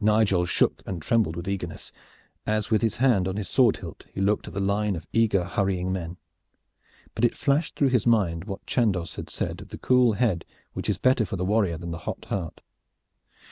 Nigel shook and trembled with eagerness, as with his hand on his sword hilt he looked at the line of eager hurrying men. But it flashed through his mind what Chandos had said of the cool head which is better for the warrior than the hot heart.